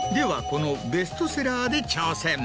このベストセラーで挑戦！